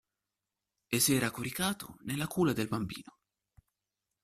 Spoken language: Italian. E s'era coricato nella culla del bambino.